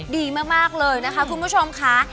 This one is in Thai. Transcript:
ดีมากเลยนะคะคุณผู้ชมค่ะ